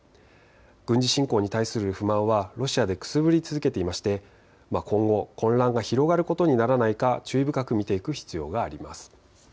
軍事侵攻に対する不満はロシアでくすぶり続けていまして今後、混乱が広がることにならないか注意深く見ていく必要があります。